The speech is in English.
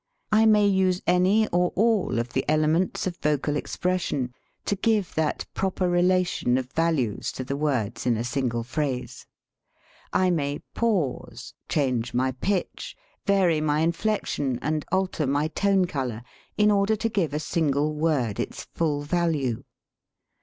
I may use any or all of the "elements of vocal expres sion" to give that proper delation of values 95 THE SPEAKING VOICE to the words in a single phrase. I may pause, change my pitch, vary my inflection, and alter my tone color, in order to give a single word its full value.